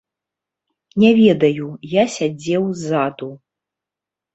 Не ведаю, я сядзеў ззаду.